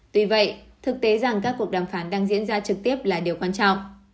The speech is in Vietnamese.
tuy vậy thực tế rằng các cuộc đàm phán đang diễn ra trực tiếp là điều quan trọng